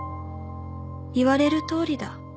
「言われるとおりだ」